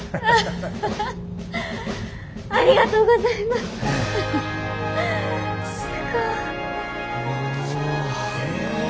すごい。お。